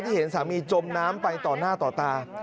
เห็นสามีจมน้ำไปต่อหน้าต่อตา